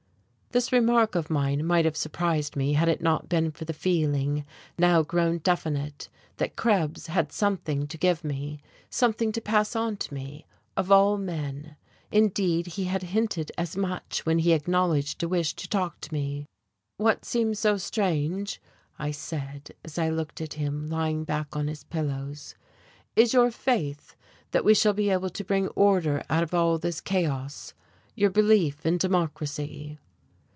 This remark of mine might have surprised me had it not been for the feeling now grown definite that Krebs had something to give me, something to pass on to me, of all men. Indeed, he had hinted as much, when he acknowledged a wish to talk to me. "What seems so strange," I said, as I looked at him lying back on his pillows, "is your faith that we shall be able to bring order out of all this chaos your belief in Democracy."